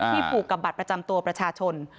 ผูกกับบัตรประจำตัวประชาชน